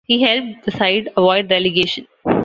He helped the side avoid relegation.